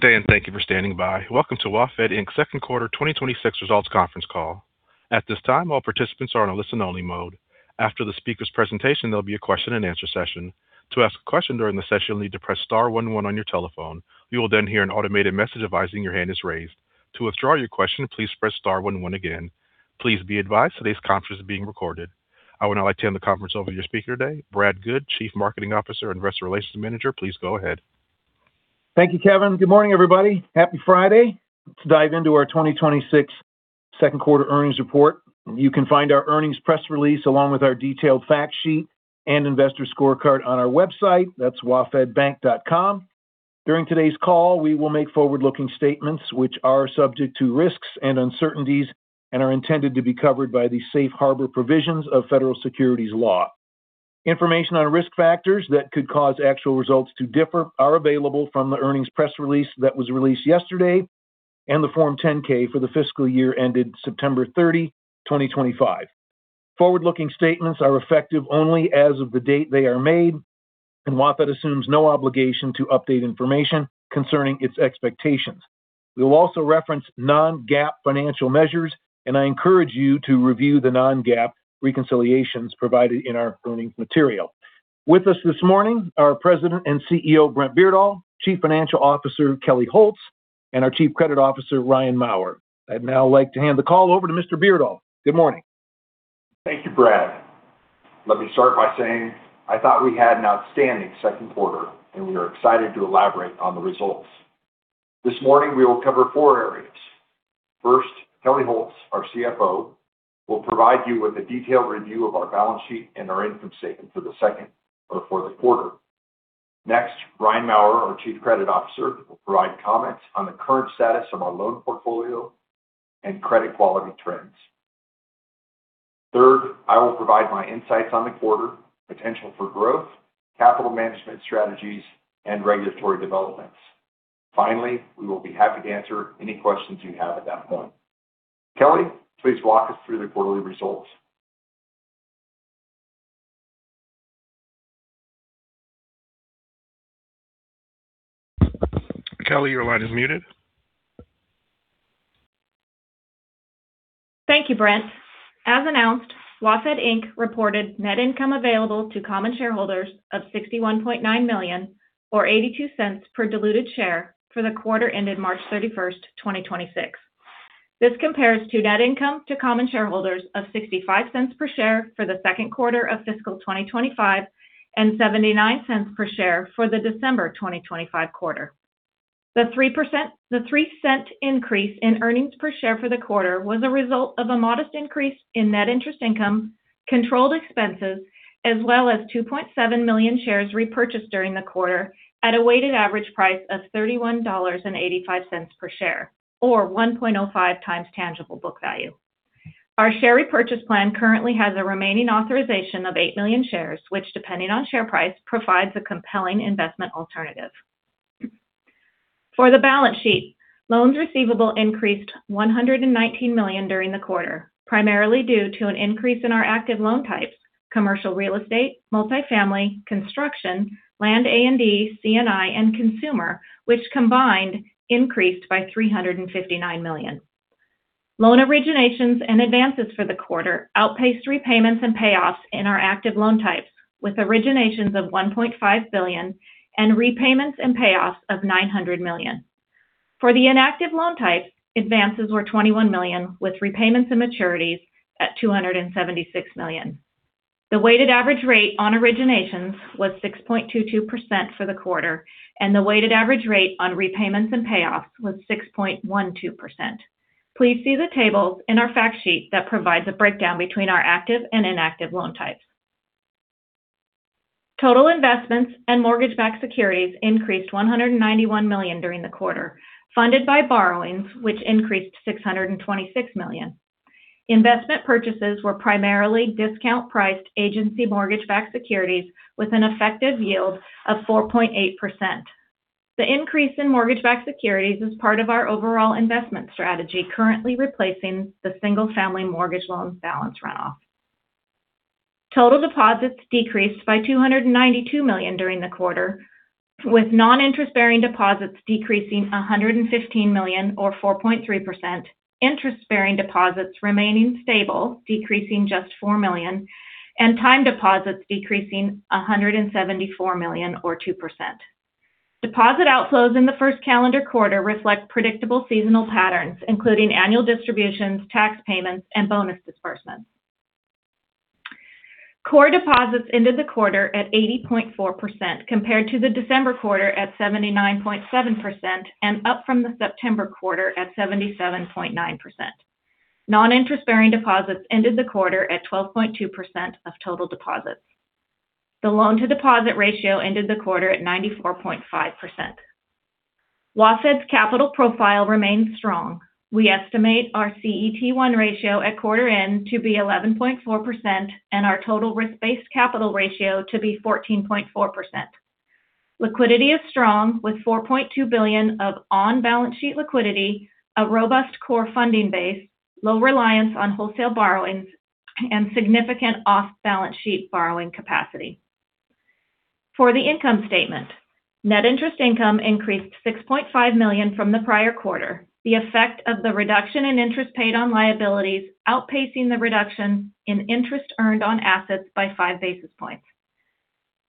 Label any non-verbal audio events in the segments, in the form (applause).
Good day, and thank you for standing by. Welcome to WaFd, Inc's second quarter 2026 results conference call. At this time, all participants are in a listen only mode. After the speaker's presentation, there'll be a question and answer session. To ask a question during the session, you'll need to press star one one on your telephone. You will then hear an automated message advising your hand is raised. To withdraw your question, please press star one one again. Please be advised today's conference is being recorded. I would now like to hand the conference over to your speaker today, Brad Goode, Chief Marketing Officer and Investor Relations Manager. Please go ahead. Thank you, Kevin. Good morning, everybody. Happy Friday. Let's dive into our 2026 second quarter earnings report. You can find our earnings press release along with our detailed fact sheet and investor scorecard on our website. That's wafdbank.com. During today's call, we will make forward-looking statements which are subject to risks and uncertainties and are intended to be covered by the safe harbor provisions of federal securities law. Information on risk factors that could cause actual results to differ are available from the earnings press release that was released yesterday and the Form 10-K for the fiscal year ended September 30, 2025. Forward-looking statements are effective only as of the date they are made, and WaFd assumes no obligation to update information concerning its expectations. We will also reference non-GAAP financial measures, and I encourage you to review the non-GAAP reconciliations provided in our earnings material. With us this morning, our President and CEO, Brent Beardall, Chief Financial Officer, Kelli Holz, and our Chief Credit Officer, Ryan Mauer. I'd now like to hand the call over to Mr. Beardall. Good morning. Thank you, Brad. Let me start by saying I thought we had an outstanding second quarter, and we are excited to elaborate on the results. This morning, we will cover four areas. First, Kelli Holz, our CFO, will provide you with a detailed review of our balance sheet and our income statement for the second quarter. Next, Ryan Mauer, our Chief Credit Officer, will provide comments on the current status of our loan portfolio and credit quality trends. Third, I will provide my insights on the quarter, potential for growth, capital management strategies, and regulatory developments. Finally, we will be happy to answer any questions you have at that point. Kelli, please walk us through the quarterly results. Kelli, your line is muted. Thank you, Brent. As announced, WaFd, Inc reported net income available to common shareholders of $61.9 million or $0.82 per diluted share for the quarter ended March 31st, 2026. This compares to net income to common shareholders of $0.65 per share for the second quarter of fiscal 2025 and $0.79 per share for the December 2025 quarter. The $0.03 increase in earnings per share for the quarter was a result of a modest increase in net interest income, controlled expenses, as well as 2.7 million shares repurchased during the quarter at a weighted average price of $31.85 per share or 1.05x tangible book value. Our share repurchase plan currently has a remaining authorization of 8 million shares, which depending on share price, provides a compelling investment alternative. For the balance sheet, loans receivable increased $119 million during the quarter, primarily due to an increase in our active loan types, commercial real estate, multifamily, construction, land A&D, C&I, and consumer, which combined increased by $359 million. Loan originations and advances for the quarter outpaced repayments and payoffs in our active loan types with originations of $1.5 billion and repayments and payoffs of $900 million. For the inactive loan types, advances were $21 million with repayments and maturities at $276 million. The weighted average rate on originations was 6.22% for the quarter, and the weighted average rate on repayments and payoffs was 6.12%. Please see the tables in our fact sheet that provides a breakdown between our active and inactive loan types. Total investments and mortgage-backed securities increased $191 million during the quarter, funded by borrowings, which increased $626 million. Investment purchases were primarily discount-priced agency mortgage-backed securities with an effective yield of 4.8%. The increase in mortgage-backed securities is part of our overall investment strategy, currently replacing the single-family mortgage loans balance runoff. Total deposits decreased by $292 million during the quarter, with non-interest-bearing deposits decreasing $115 million or 4.3%, interest-bearing deposits remaining stable, decreasing just $4 million, and time deposits decreasing $174 million or 2%. Deposit outflows in the first calendar quarter reflect predictable seasonal patterns, including annual distributions, tax payments, and bonus disbursements. Core deposits ended the quarter at 80.4% compared to the December quarter at 79.7% and up from the September quarter at 77.9%. Non-interest-bearing deposits ended the quarter at 12.2% of total deposits. The loan to deposit ratio ended the quarter at 94.5%. WaFd's capital profile remains strong. We estimate our CET1 ratio at quarter end to be 11.4% and our total risk-based capital ratio to be 14.4%. Liquidity is strong with $4.2 billion of on-balance sheet liquidity, a robust core funding base, low reliance on wholesale borrowings, and significant off-balance sheet borrowing capacity. For the income statement, net interest income increased to $6.5 million from the prior quarter. The effect of the reduction in interest paid on liabilities outpacing the reduction in interest earned on assets by 5 basis points.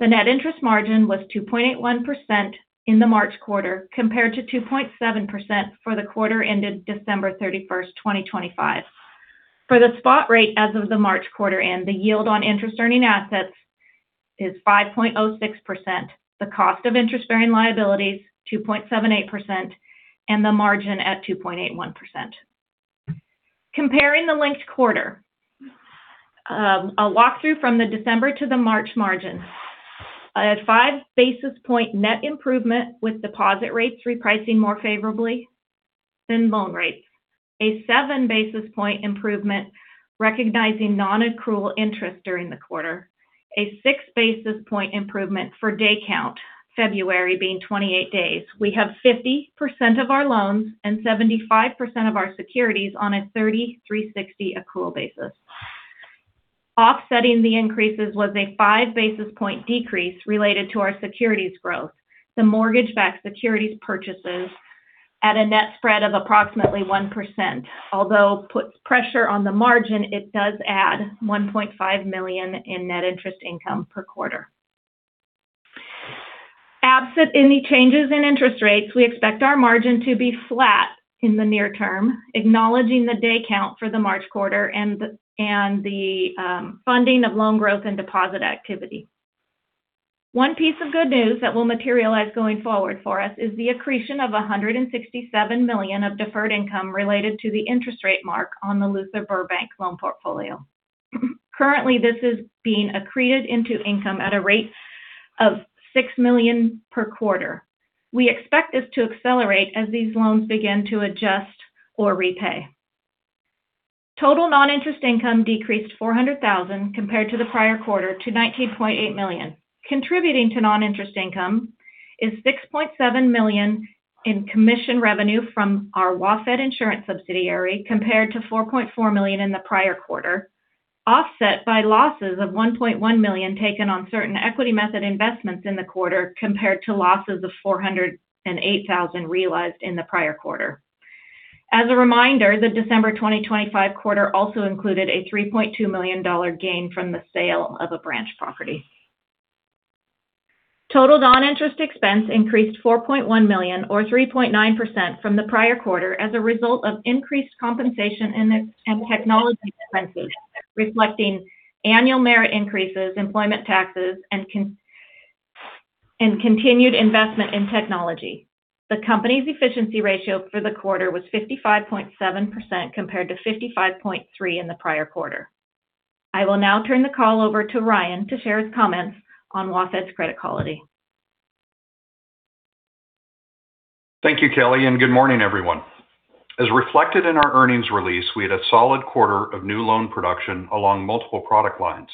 The net interest margin was 2.81% in the March quarter, compared to 2.7% for the quarter ended December 31st, 2025. For the spot rate as of the March quarter end, the yield on interest-earning assets is 5.06%, the cost of interest-bearing liabilities 2.78%, and the margin at 2.81%. Comparing the linked quarter, a walkthrough from the December to the March margin. A 5 basis point net improvement with deposit rates repricing more favorably than loan rates. A 7 basis point improvement recognizing non-accrual interest during the quarter. A 6 basis point improvement for day count, February being 28 days. We have 50% of our loans and 75% of our securities on a 30/360 accrual basis. Offsetting the increases was a 5 basis point decrease related to our securities growth. The mortgage-backed securities purchases at a net spread of approximately 1%, although it puts pressure on the margin, it does add $1.5 million in net interest income per quarter. Absent any changes in interest rates, we expect our margin to be flat in the near term, acknowledging the day count for the March quarter and the funding of loan growth and deposit activity. One piece of good news that will materialize going forward for us is the accretion of $167 million of deferred income related to the interest rate mark on the Luther Burbank loan portfolio. Currently, this is being accreted into income at a rate of $6 million per quarter. We expect this to accelerate as these loans begin to adjust or repay. Total non-interest income decreased $400,000 compared to the prior quarter to $19.8 million. Contributing to non-interest income is $6.7 million in commission revenue from our WaFd Insurance subsidiary, compared to $4.4 million in the prior quarter, offset by losses of $1.1 million taken on certain equity method investments in the quarter, compared to losses of $408,000 realized in the prior quarter. As a reminder, the December 2025 quarter also included a $3.2 million gain from the sale of a branch property. Total non-interest expense increased $4.1 million or 3.9% from the prior quarter as a result of increased compensation and technology expenses, reflecting annual merit increases, employment taxes, and continued investment in technology. The company's efficiency ratio for the quarter was 55.7% compared to 55.3% in the prior quarter. I will now turn the call over to Ryan to share his comments on WaFd's credit quality. Thank you, Kelli, and good morning, everyone. As reflected in our earnings release, we had a solid quarter of new loan production along multiple product lines.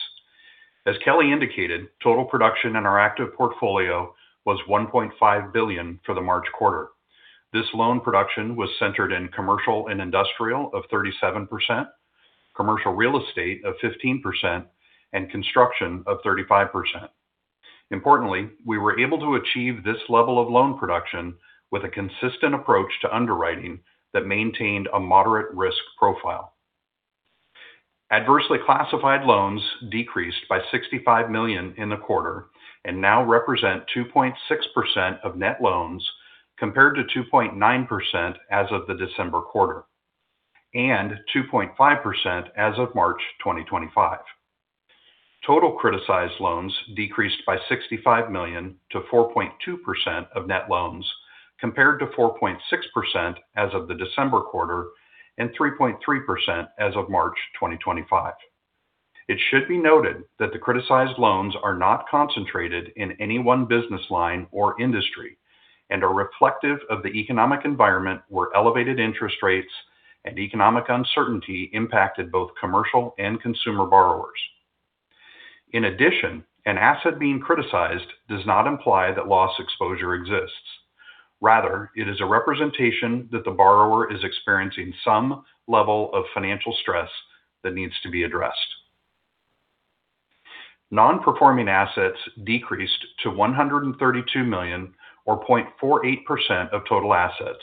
As Kelli indicated, total production in our active portfolio was $1.5 billion for the March quarter. This loan production was centered in commercial and industrial of 37%, commercial real estate of 15%, and construction of 35%. Importantly, we were able to achieve this level of loan production with a consistent approach to underwriting that maintained a moderate risk profile. Adversely classified loans decreased by $65 million in the quarter and now represent 2.6% of net loans, compared to 2.9% as of the December quarter, and 2.5% as of March 2025. Total criticized loans decreased by $65 million to 4.2% of net loans, compared to 4.6% as of the December quarter and 3.3% as of March 2025. It should be noted that the criticized loans are not concentrated in any one business line or industry and are reflective of the economic environment where elevated interest rates and economic uncertainty impacted both commercial and consumer borrowers. In addition, an asset being criticized does not imply that loss exposure exists. Rather, it is a representation that the borrower is experiencing some level of financial stress that needs to be addressed. Non-performing assets decreased to $132 million or 0.48% of total assets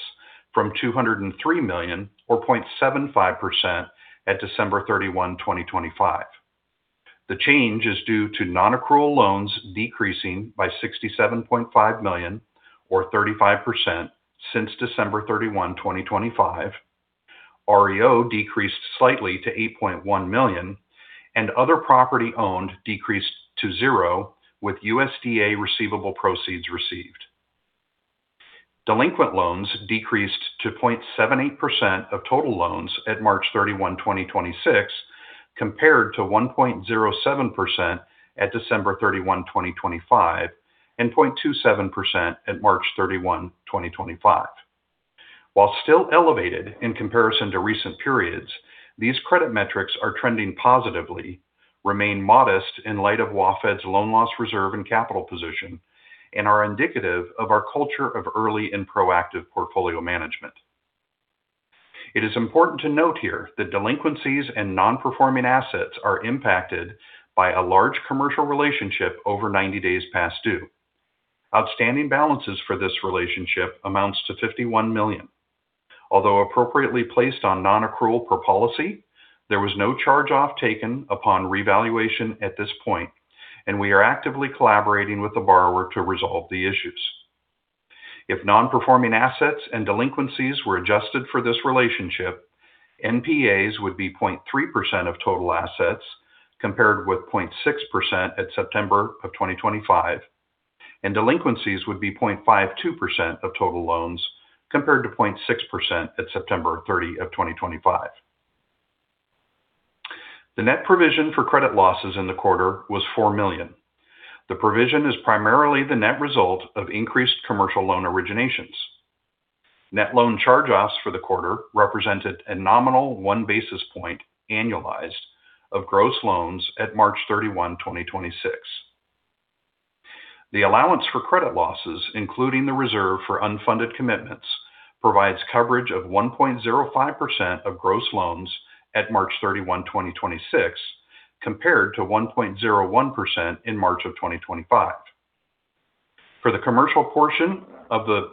from $203 million or 0.75% at December 31, 2025. The change is due to non-accrual loans decreasing by $67.5 million or 35% since December 31, 2025. REO decreased slightly to $8.1 million and other property owned decreased to zero with USDA receivable proceeds received. Delinquent loans decreased to 0.78% of total loans at March 31, 2026, compared to 1.07% at December 31, 2025, and 0.27% at March 31, 2025. While still elevated in comparison to recent periods, these credit metrics are trending positively, remain modest in light of WaFd's loan loss reserve and capital position, and are indicative of our culture of early and proactive portfolio management. It is important to note here that delinquencies and non-performing assets are impacted by a large commercial relationship over 90 days past due. Outstanding balances for this relationship amounts to $51 million. Although appropriately placed on non-accrual per policy, there was no charge-off taken upon revaluation at this point, and we are actively collaborating with the borrower to resolve the issues. If non-performing assets and delinquencies were adjusted for this relationship, NPAs would be 0.3% of total assets compared with 0.6% at September of 2025, and delinquencies would be 0.52% of total loans compared to 0.6% at September 30 of 2025. The net provision for credit losses in the quarter was $4 million. The provision is primarily the net result of increased commercial loan originations. Net loan charge-offs for the quarter represented a nominal one basis point annualized of gross loans at March 31, 2026. The allowance for credit losses, including the reserve for unfunded commitments, provides coverage of 1.05% of gross loans at March 31, 2026, compared to 1.01% in March of 2025. For the commercial portion of the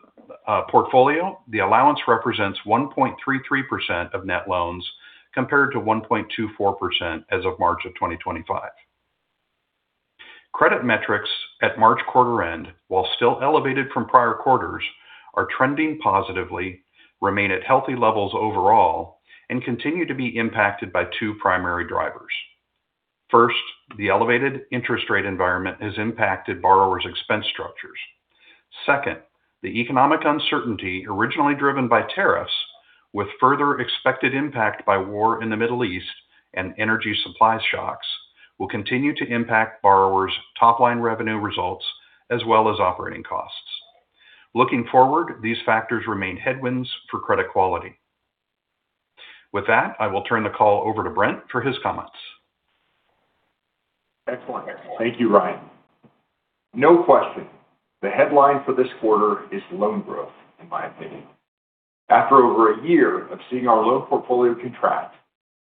portfolio, the allowance represents 1.33% of net loans compared to 1.24% as of March of 2025. Credit metrics at March quarter end, while still elevated from prior quarters, are trending positively, remain at healthy levels overall, and continue to be impacted by two primary drivers. First, the elevated interest rate environment has impacted borrowers' expense structures. Second, the economic uncertainty originally driven by tariffs, with further expected impact by war in the Middle East and energy supply shocks, will continue to impact borrowers' top-line revenue results as well as operating costs. Looking forward, these factors remain headwinds for credit quality. With that, I will turn the call over to Brent for his comments. Excellent. Thank you, Ryan. No question, the headline for this quarter is loan growth, in my opinion. After over a year of seeing our loan portfolio contract,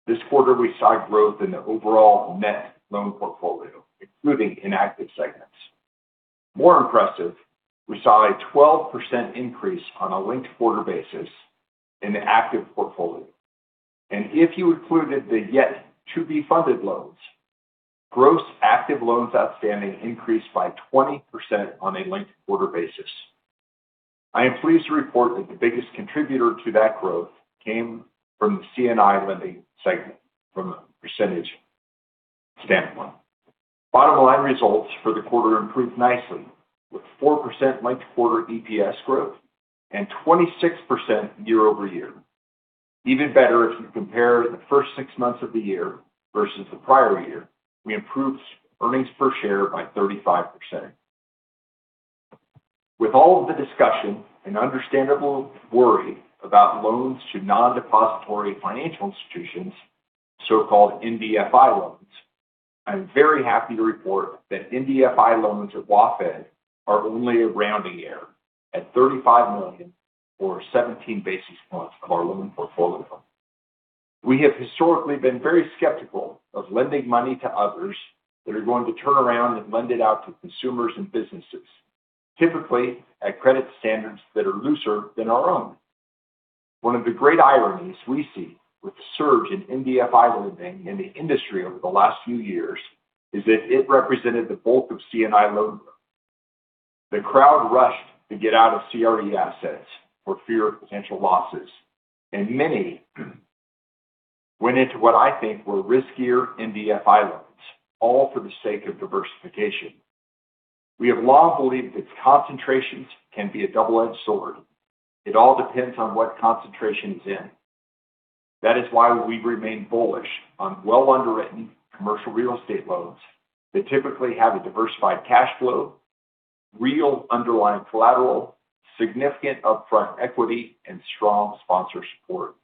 this quarter we saw growth in the overall net loan portfolio, including inactive segments. More impressive, we saw a 12% increase on a linked-quarter basis in the active portfolio. If you included the yet-to-be-funded loans, gross active loans outstanding increased by 20% on a linked-quarter basis. I am pleased to report that the biggest contributor to that growth came from the C&I lending segment from a percentage standpoint. Bottom-line results for the quarter improved nicely with 4% linked-quarter EPS growth and 26% year-over-year. Even better, if you compare the first six months of the year versus the prior year, we improved earnings per share by 35%. With all of the discussion and understandable worry about loans to non-depository financial institutions, so-called NDFI loans, I'm very happy to report that NDFI loans at WaFd are only a rounding error at $35 million or 17 basis points of our loan portfolio. We have historically been very skeptical of lending money to others that are going to turn around and lend it out to consumers and businesses, typically at credit standards that are looser than our own. One of the great ironies we see with the surge in NDFI lending in the industry over the last few years is that it represented the bulk of C&I loan growth. The crowd rushed to get out of CRE assets for fear of potential losses, and many went into what I think were riskier NDFI loans, all for the sake of diversification. We have long believed that concentrations can be a double-edged sword. It all depends on what concentration is in. That is why we remain bullish on well-underwritten commercial real estate loans that typically have a diversified cash flow, real underlying collateral, significant upfront equity, and strong sponsor support.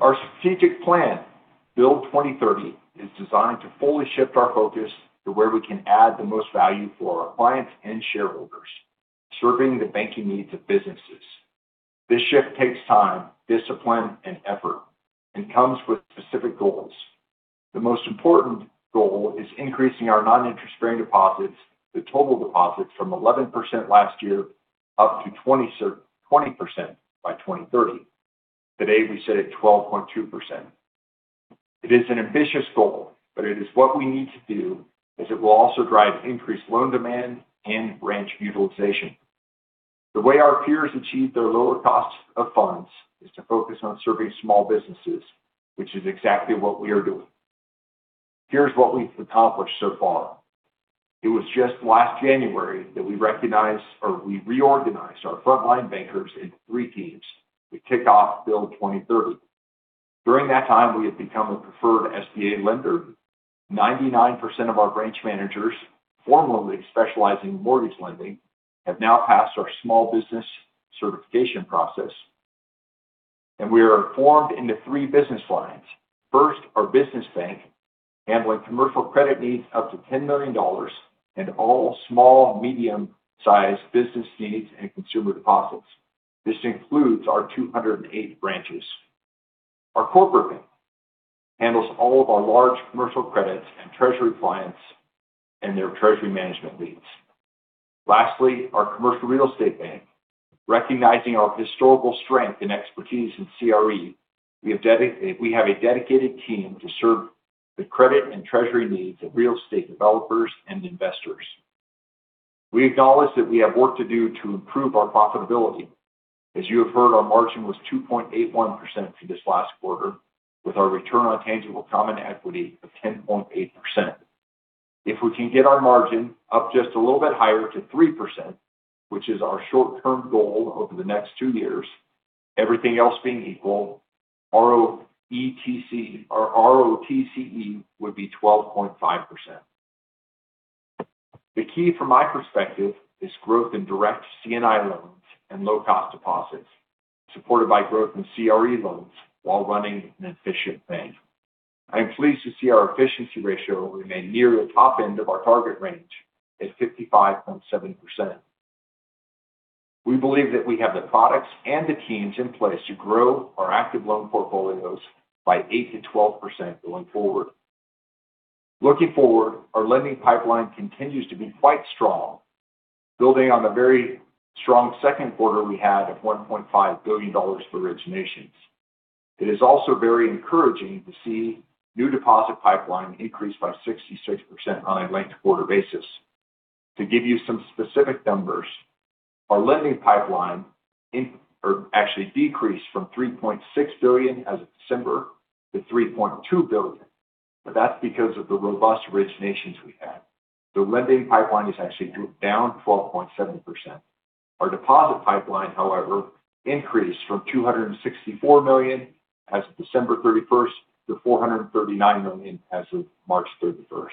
Our strategic plan, Build 2030, is designed to fully shift our focus to where we can add the most value for our clients and shareholders, serving the banking needs of businesses. This shift takes time, discipline, and effort and comes with specific goals. The most important goal is increasing our non-interest-bearing deposits to total deposits from 11% last year up to 20% by 2030. Today, we sit at 12.2%. It is an ambitious goal, but it is what we need to do as it will also drive increased loan demand and branch utilization. The way our peers achieve their lower cost of funds is to focus on serving small businesses, which is exactly what we are doing. Here's what we've accomplished so far. It was just last January that we reorganized our frontline bankers into three teams. We kicked off Build 2030. During that time, we have become a preferred SBA lender. 99% of our branch managers, formerly specializing in mortgage lending, have now passed our small business certification process. We are formed into three business lines. First, our business bank. And with commercial credit needs up to $10 million and all small, medium-sized business needs and consumer deposits. This includes our 208 branches. Our corporate bank handles all of our large commercial credits and treasury clients and their treasury management leads. Lastly, our commercial real estate bank. Recognizing our historical strength and expertise in CRE, we have a dedicated team to serve the credit and treasury needs of real estate developers and investors. We acknowledge that we have work to do to improve our profitability. As you have heard, our margin was 2.81% for this last quarter, with our return on tangible common equity of 10.8%. If we can get our margin up just a little bit higher to 3%, which is our short-term goal over the next two years, everything else being equal, our ROTCE would be 12.5%. The key from my perspective is growth in direct C&I loans and low-cost deposits, supported by growth in CRE loans while running an efficient bank. I am pleased to see our efficiency ratio remain near the top end of our target range at 55.7%. We believe that we have the products and the teams in place to grow our active loan portfolios by 8%-12% going forward. Looking forward, our lending pipeline continues to be quite strong, building on the very strong second quarter we had of $1.5 billion for originations. It is also very encouraging to see new deposit pipeline increase by 66% on a linked-quarter basis. To give you some specific numbers, our lending pipeline actually decreased from $3.6 billion as of December to $3.2 billion. That's because of the robust originations we had. The lending pipeline is actually down 12.7%. Our deposit pipeline, however, increased from $264 million as of December 31st to $439 million as of March 31st.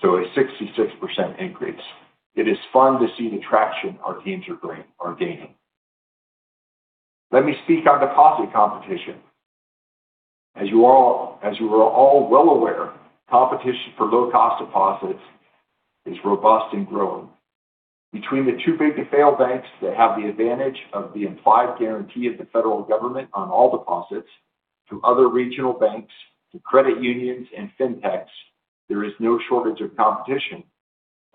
A 66% increase. It is fun to see the traction our teams are gaining. Let me speak on deposit competition. As you are all well aware, competition for low-cost deposits is robust and growing. Between the too-big-to-fail banks that have the advantage of the implied guarantee of the federal government on all deposits, to other regional banks, to credit unions and fintechs. There is no shortage of competition.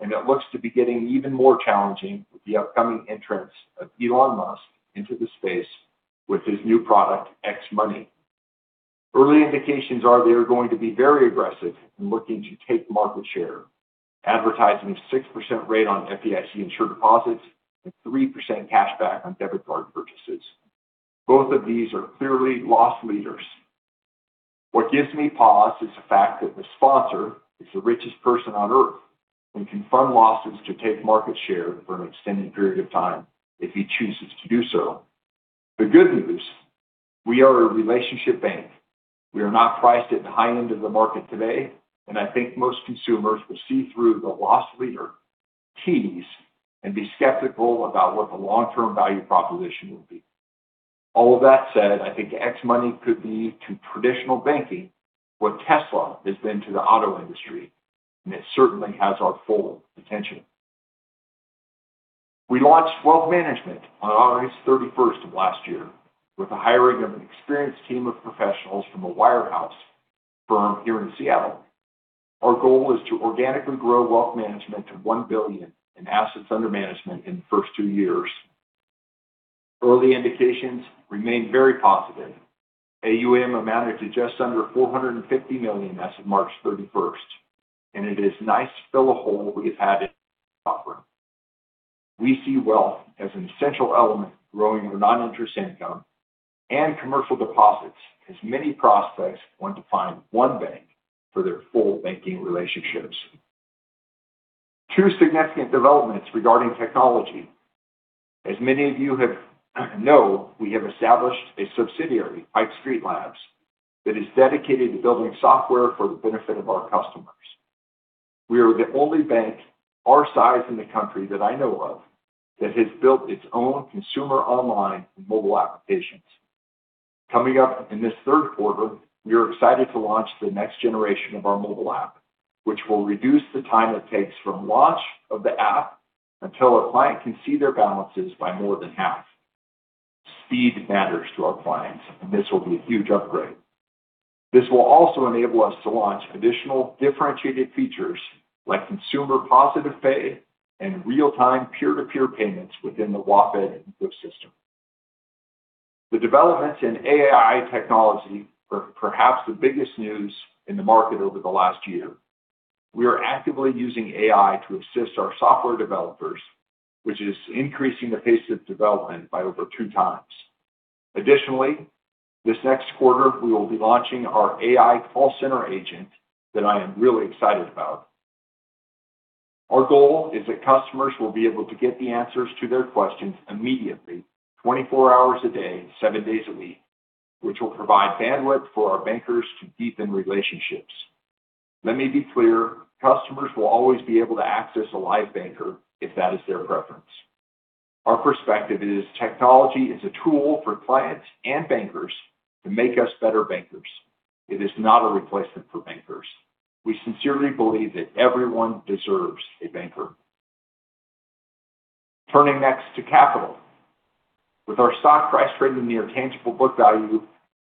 It looks to be getting even more challenging with the upcoming entrance of Elon Musk into the space with his new product, X Money. Early indications are they are going to be very aggressive in looking to take market share. Advertising a 6% rate on FDIC-insured deposits and 3% cashback on debit card purchases. Both of these are clearly loss leaders. What gives me pause is the fact that the sponsor is the richest person on Earth and can fund losses to take market share for an extended period of time if he chooses to do so. The good news, we are a relationship bank. We are not priced at the high end of the market today, and I think most consumers will see through the loss leader tease and be skeptical about what the long-term value proposition will be. All of that said, I think X Money could be to traditional banking what Tesla has been to the auto industry, and it certainly has our full attention. We launched wealth management on August 31st of last year with the hiring of an experienced team of professionals from a wire house firm here in Seattle. Our goal is to organically grow wealth management to $1 billion in assets under management in the first two years. Early indications remain very positive. AUM amounted to just under $450 million as of March 31st, and it is nice to fill a hole we have had in our offering. We see wealth as an essential element growing our non-interest income and commercial deposits, as many prospects want to find one bank for their full banking relationships. Two significant developments regarding technology. As many of you know, we have established a subsidiary, Pike Street Labs, that is dedicated to building software for the benefit of our customers. We are the only bank our size in the country that I know of that has built its own consumer online and mobile applications. Coming up in this third quarter, we are excited to launch the next generation of our mobile app, which will reduce the time it takes from launch of the app until a client can see their balances by more than half. Speed matters to our clients, and this will be a huge upgrade. This will also enable us to launch additional differentiated features like consumer positive pay and real-time peer-to-peer payments within the WaFd ecosystem. The developments in AI technology are perhaps the biggest news in the market over the last year. We are actively using AI to assist our software developers, which is increasing the pace of development by over two times. Additionally, this next quarter, we will be launching our AI call center agent that I am really excited about. Our goal is that customers will be able to get the answers to their questions immediately 24 hours a day, seven days a week, which will provide bandwidth for our bankers to deepen relationships. Let me be clear, customers will always be able to access a live banker if that is their preference. Our perspective is technology is a tool for clients and bankers to make us better bankers. It is not a replacement for bankers. We sincerely believe that everyone deserves a banker. Turning next to capital. With our stock price trading near tangible book value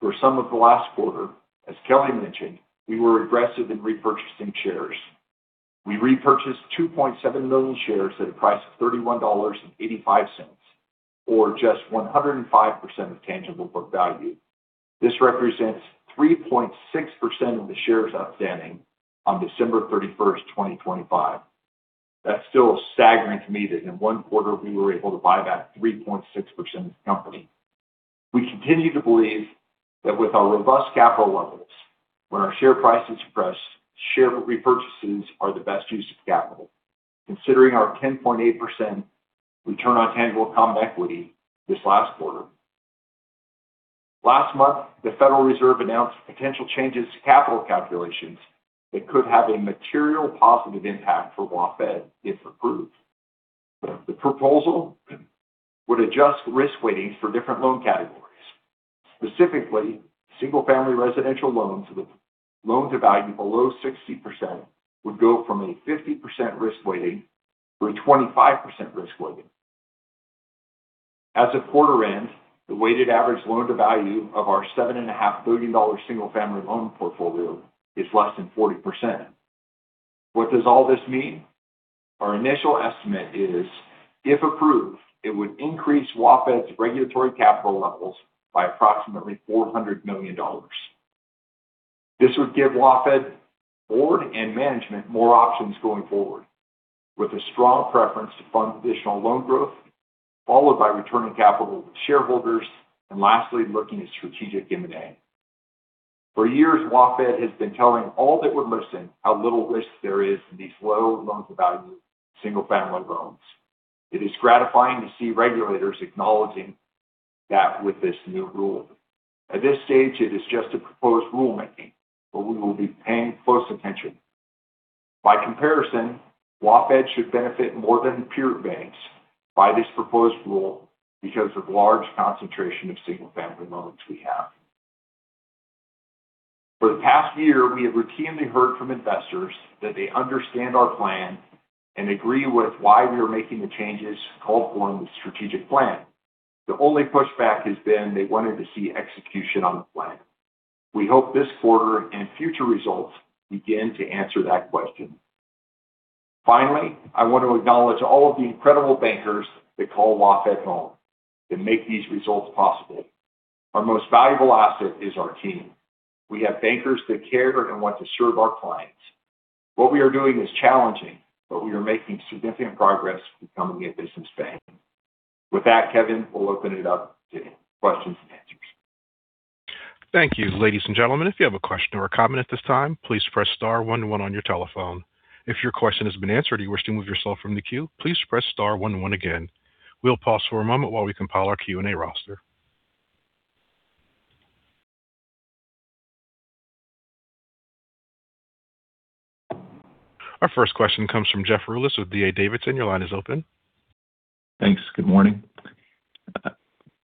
for some of the last quarter, as Kelli mentioned, we were aggressive in repurchasing shares. We repurchased 2.7 million shares at a price of $31.85, or just 105% of tangible book value. This represents 3.6% of the shares outstanding on December 31st, 2025. That's still staggering to me that in one quarter we were able to buy back 3.6% of the company. We continue to believe that with our robust capital levels, when our share price is suppressed, share repurchases are the best use of capital, considering our 10.8% return on tangible common equity this last quarter. Last month, the Federal Reserve announced potential changes to capital calculations that could have a material positive impact for WaFd if approved. The proposal would adjust risk weightings for different loan categories. Specifically, single-family residential loans with loan-to-value below 60% would go from a 50% risk weighting to a 25% risk weighting. As of quarter end, the weighted average loan-to-value of our $7.5 billion single-family loan portfolio is less than 40%. What does all this mean? Our initial estimate is, if approved, it would increase WaFd's regulatory capital levels by approximately $400 million. This would give WaFd board and management more options going forward, with a strong preference to fund additional loan growth, followed by returning capital to shareholders, and lastly, looking at strategic M&A. For years, WaFd has been telling all that would listen how little risk there is in these low loan-to-value single-family loans. It is gratifying to see regulators acknowledging that with this new rule. At this stage, it is just a proposed rulemaking, but we will be paying close attention. By comparison, WaFd should benefit more than peer banks by this proposed rule because of large concentration of single-family loans we have. For the past year, we have routinely heard from investors that they understand our plan and agree with why we are making the changes called for in the strategic plan. The only pushback has been they wanted to see execution on the plan. We hope this quarter and future results begin to answer that question. Finally, I want to acknowledge all of the incredible bankers that call WaFd home that make these results possible. Our most valuable asset is our team. We have bankers that care and want to serve our clients. What we are doing is challenging, but we are making significant progress becoming a business bank. With that, Kevin, we'll open it up to questions and answers. Thank you. Ladies and gentlemen, if you have a question or a comment at this time, please press star one one on your telephone. If your question has been answered and you wish to remove yourself from the queue, please press star one one again. We'll pause for a moment while we compile our Q&A roster. Our first question comes from Jeff Rulis with D.A. Davidson. Your line is open. Thanks. Good morning.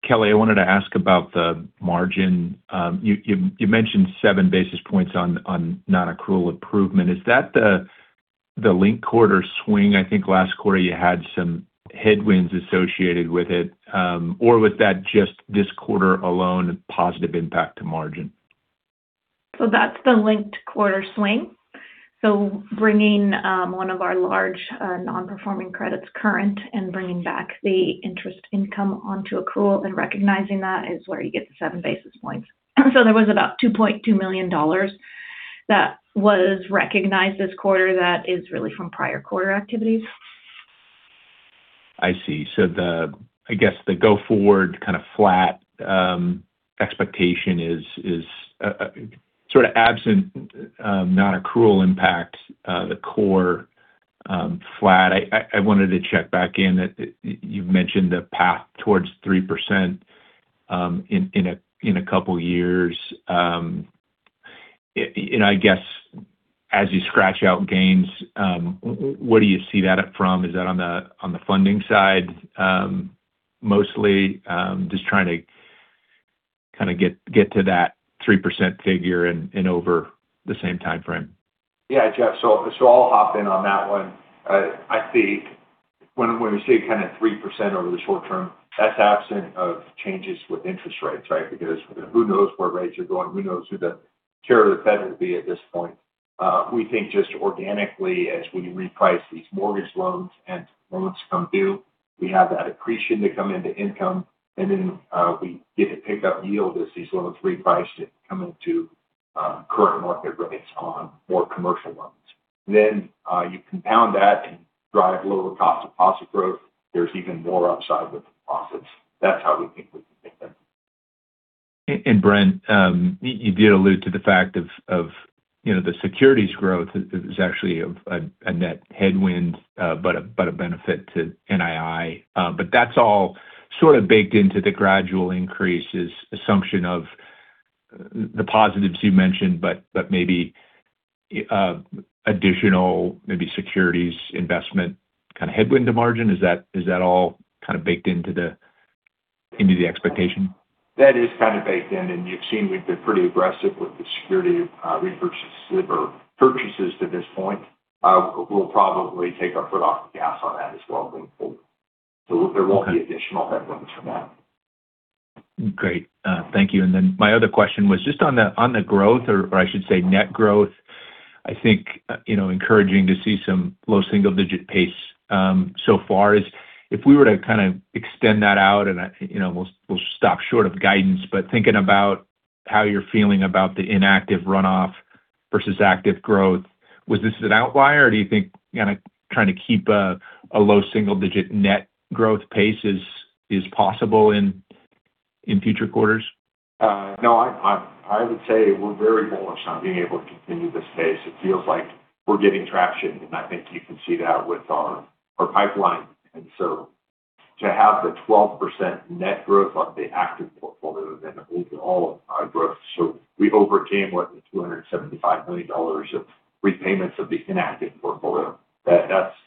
Kelli, I wanted to ask about the margin. You mentioned seven basis points on non-accrual improvement. Is that the linked-quarter swing? I think last quarter you had some headwinds associated with it. Or was that just this quarter alone a positive impact to margin? That's the linked-quarter swing. Bringing one of our large non-performing credits current and bringing back the interest income onto accrual and recognizing that is where you get the 7 basis points. There was about $2.2 million that was recognized this quarter that is really from prior quarter activities. I see. I guess the go forward kind of flat expectation is sort of absent non-accrual impact, the core flat. I wanted to check back in. You've mentioned a path towards 3% in a couple years. I guess as you scratch out gains, where do you see that from? Is that on the funding side mostly? Just trying to kind of get to that 3% figure and over the same time frame. Yeah. Jeff, so I'll hop in on that one. When we say kind of 3% over the short term, that's absent of changes with interest rates, right? Because who knows where rates are going, who knows who the chair of the Fed will be at this point. We think just organically as we reprice these mortgage loans and loans come due, we have that accretion to come into income and then we get to pick up yield as these loans reprice to come into current market rates on more commercial loans. You compound that and drive lower cost of deposit growth. There's even more upside with the profits. That's how we think we can get there. Brent, you did allude to the fact that the securities growth is actually a net headwind, but a benefit to NII. That's all sort of baked into the gradual increase in assumption of The positives you mentioned, but maybe additional securities investment kind of headwind to margin. Is that all kind of baked into the expectation? That is kind of baked in. You've seen we've been pretty aggressive with the security repurchases or purchases to this point. We'll probably take our foot off the gas on that as well going forward. There won't be additional headwinds from that. Great. Thank you. My other question was just on the growth, or I should say net growth. I think it's encouraging to see some low single-digit pace so far. If we were to kind of extend that out, and we'll stop short of guidance, but thinking about how you're feeling about the inactive runoff versus active growth, was this an outlier or do you think trying to keep a low single-digit net growth pace is possible in future quarters? No, I would say we're very bullish on being able to continue this pace. It feels like we're getting traction, and I think you can see that with our pipeline to have the 12% net growth on the active portfolio, then the overall growth. We overcame what, the $275 million of repayments of the inactive portfolio.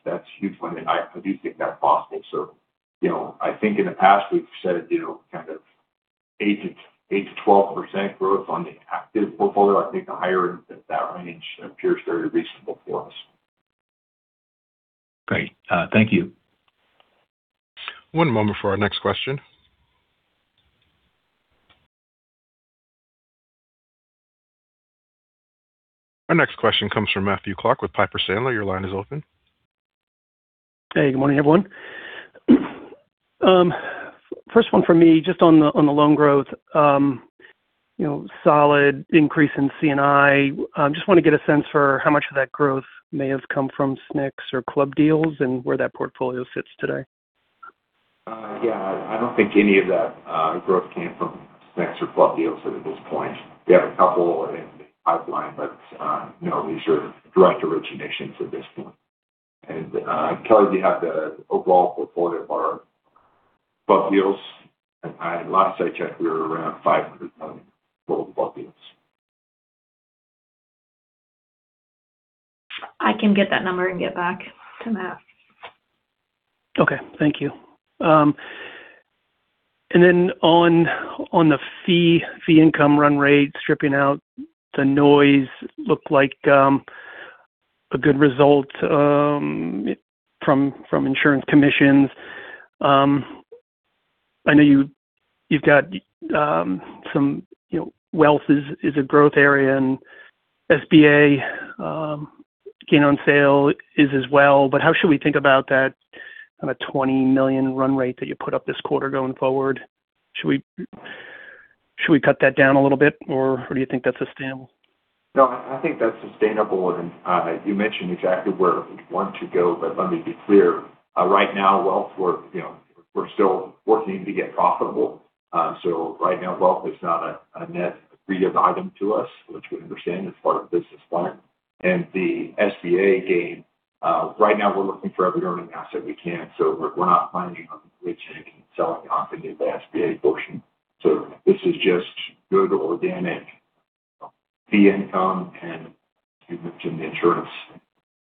That's huge win, and I do think that's possible. I think in the past we've said kind of 8%-12% growth on the active portfolio. I think the higher end at that range appears very reasonable for us. Great. Thank you. One moment for our next question. Our next question comes from Matthew Clark with Piper Sandler. Your line is open. Hey, good morning, everyone. First one for me, just on the loan growth. Solid increase in C&I. Just want to get a sense for how much of that growth may have come from SNCs or club deals and where that portfolio sits today. Yeah, I don't think any of that growth came from SNCs or club deals at this point. We have a couple in the pipeline, but these are direct originations at this point. Kelli, do you have the overall portfolio of our club deals? Last I checked, we were around $500 million total club deals. I can get that number and get back to Matthew. Okay. Thank you. On the fee income run rate, stripping out the noise, looked like a good result from insurance commissions. I know you've got some wealth is a growth area and SBA gain on sale is as well, but how should we think about that kind of $20 million run rate that you put up this quarter going forward? Should we cut that down a little bit or do you think that's sustainable? No, I think that's sustainable. You mentioned exactly where we want to go, but let me be clear. Right now, wealth, we're still working to get profitable. Right now, wealth is not a net accretive item to us, which we understand is part of the business plan. The SBA gain, right now we're looking for every earning asset we can, so we're not planning on selling off any of the SBA portion. This is just good organic fee income and you mentioned the insurance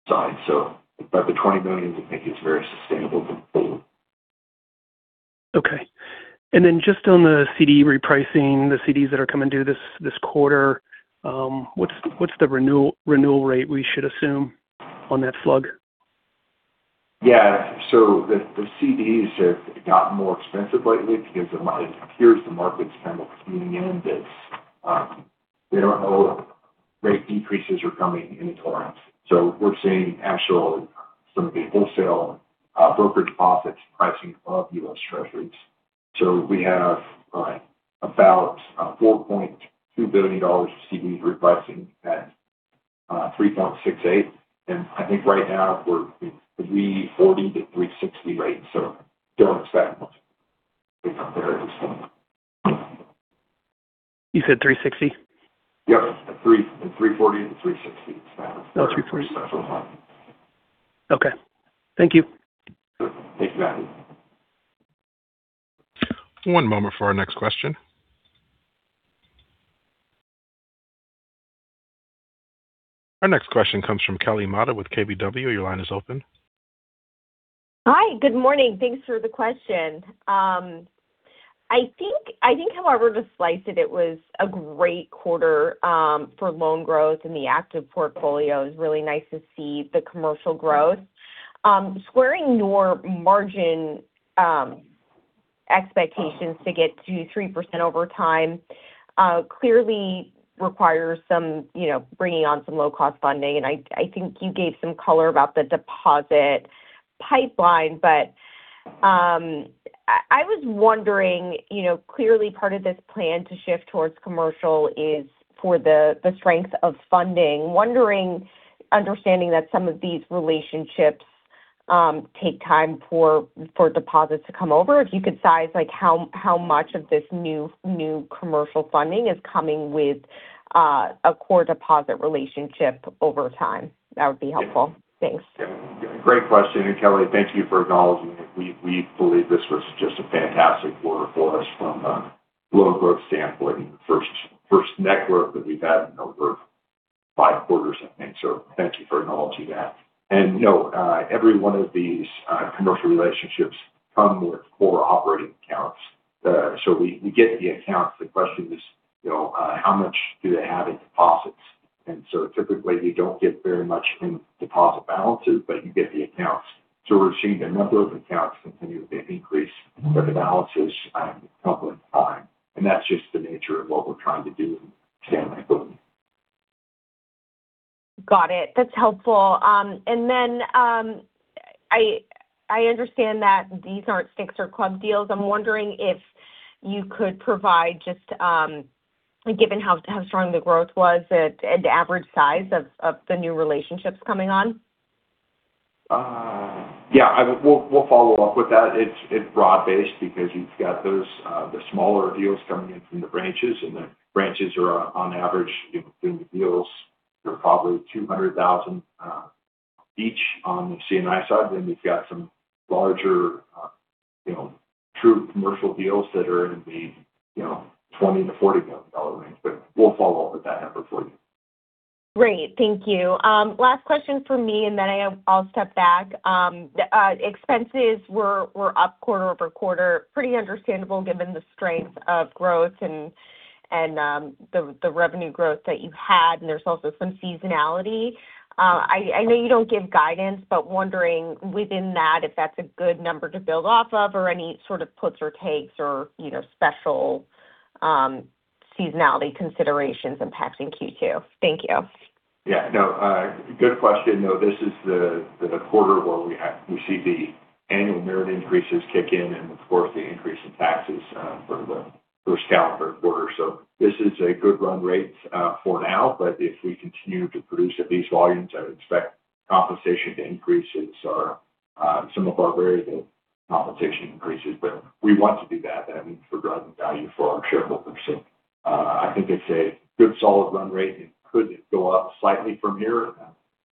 side. About the $20 million, we think it's very sustainable going forward. Okay. Just on the CD repricing, the CDs that are coming due this quarter, what's the renewal rate we should assume on that slug? Yeah. The CDs have gotten more expensive lately because it appears the market's kind of pricing in this. They don't know if rate decreases are coming any time. We're seeing actually, some of the wholesale broker deposits pricing above U.S. Treasuries. We have about $4.2 billion of CDs repricing at 3.68%. I think right now we're 3.40%-3.60% rate. Don't expect much in comparison. You said 3.60%? Yep. 3.40%-3.60%. (audio distortion) Okay. Thank you. Sure. Thanks, Matthew. One moment for our next question. Our next question comes from Kelly Motta with KBW. Your line is open. Hi. Good morning. Thanks for the question. I think however you slice it was a great quarter for loan growth in the active portfolio. It was really nice to see the commercial growth. Squaring your margin expectations to get to 3% over time clearly requires bringing on some low-cost funding. I think you gave some color about the deposit pipeline, but I was wondering. Clearly part of this plan to shift towards commercial is for the strength of funding. Understanding that some of these relationships take time for deposits to come over, if you could size how much of this new commercial funding is coming with A core deposit relationship over time. That would be helpful. Thanks. Yeah. Great question, and Kelly, thank you for acknowledging it. We believe this was just a fantastic quarter for us from a loan growth standpoint. First net growth that we've had in over five quarters, I think. Thank you for acknowledging that. No, every one of these commercial relationships come with core operating accounts. We get the accounts. The question is, how much do they have in deposits? Typically, you don't get very much in deposit balances, but you get the accounts. We're seeing the number of accounts continue to increase, but the balances come with time. That's just the nature of what we're trying to do in Stanley and Fulton. Got it. That's helpful. I understand that these aren't sticks or club deals. I'm wondering if you could provide just, given how strong the growth was, the average size of the new relationships coming on. Yeah. We'll follow up with that. It's broad-based because you've got the smaller deals coming in from the branches, and the branches are on average doing the deals. They're probably $200,000 each on the C&I side. Then we've got some larger, true commercial deals that are in the $20 million-$40 million range. We'll follow up with that number for you. Great. Thank you. Last question from me, and then I'll step back. Expenses were up quarter-over-quarter. Pretty understandable given the strength of growth and the revenue growth that you've had. There's also some seasonality. I know you don't give guidance, but wondering within that, if that's a good number to build off of or any sort of puts or takes or special seasonality considerations impacting Q2. Thank you. Yeah. No. Good question, though. This is the quarter where we see the annual merit increases kick in and of course, the increase in taxes for the first calendar quarter. This is a good run rate for now, but if we continue to produce at these volumes, I would expect compensation to increase. It's some of our variable compensation increases, but we want to do that. That means we're driving value for our shareholders. I think it's a good solid run rate, and it could go up slightly from here as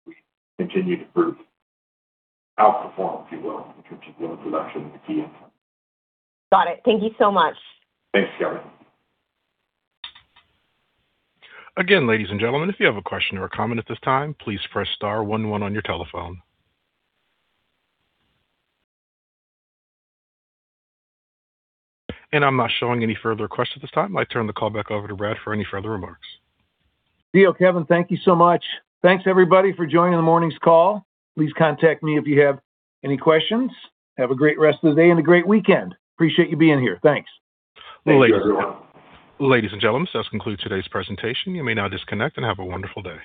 we continue to prove, outperform, if you will, in terms of loan production and fees. Got it. Thank you so much. Thanks, Kelly. Again, ladies and gentlemen, if you have a question or a comment at this time, please press star one one on your telephone. I'm not showing any further questions at this time. I turn the call back over to Brad for any further remarks. Deal. Kevin, thank you so much. Thanks, everybody, for joining the morning's call. Please contact me if you have any questions. Have a great rest of the day and a great weekend. Appreciate you being here. Thanks. Thank you, everyone. Ladies and gentlemen, this does conclude today's presentation. You may now disconnect and have a wonderful day.